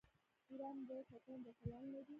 ایران د شطرنج اتلان لري.